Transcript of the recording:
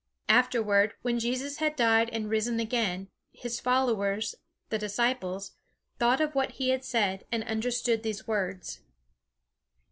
Afterward, when Jesus had died and risen again, his followers, the disciples, thought of what he had said, and understood these words.